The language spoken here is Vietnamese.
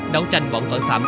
đấu tranh bọn tội phạm